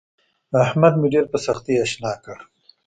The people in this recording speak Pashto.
احمد مې ډېره په سختي اشنا کړ.